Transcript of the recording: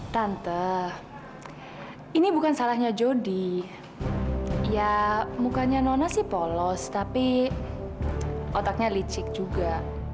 tante ini bukan salahnya jody ya mukanya nona sih polos tapi otaknya licik juga